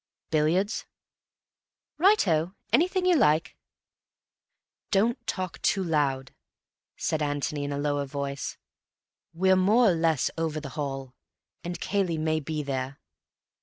"Billiards?" "Righto. Anything you like." "Don't talk too loud," said Antony in a lower voice. "We're more or less over the hall, and Cayley may be there."